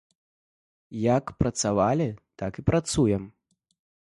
Як працавалі, так і працуем.